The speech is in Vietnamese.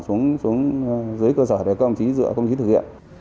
xuống dưới cơ sở để công chí dựa công chí thực hiện